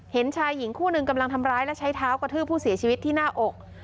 เห็นชายหญิงคู่หนึ่งกำลังทำร้ายและใช้เท้ากระทืบผู้เสียชีวิตที่หน้าอก